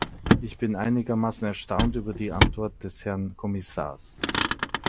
Ich bin einigermaßen erstaunt über die Antwort des Herrn Kommissars.